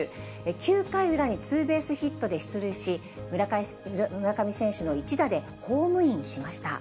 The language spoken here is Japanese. ９回裏にツーベースヒットで出塁し、村上選手の一打でホームインしました。